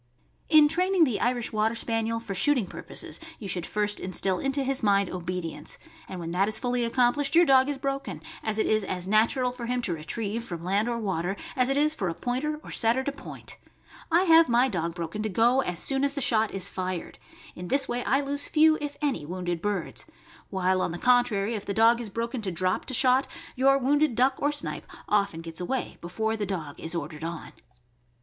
In training the Irish Water Spaniel for shooting pur poses, you should first instill into his mind obedience, and when that is fully accomplished your dog is broken, as it is as natural for him to retrieve, from land or water, as it is for a Pointer or Setter to point. I have my dog broken to go as soon as the shot is fired. In this way I lose few, if any, wounded birds; while, on the contrary, if the dog is broken to drop to shot, your wounded duck or snipe often gets away before the dog is ordered on. 294 THE AMERICAN BOOK OF THE DOG.